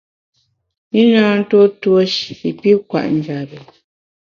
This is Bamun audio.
I na ntuo tuo shi pi kwet njap bi.